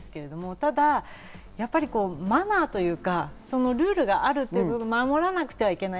ただ、マナーというか、ルールがあるということを守らなくてはいけない。